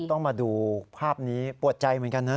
ต้องมาดูภาพนี้ปวดใจเหมือนกันนะ